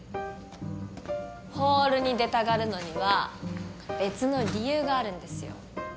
ホールに出たがるのには別の理由があるんですよ。